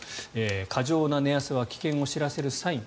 過剰な寝汗は危険を知らせるサイン。